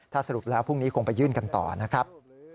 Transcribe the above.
ถ้าสรุปแล้วพรุ่งนี้คงไปยื่นกันต่อนะครับ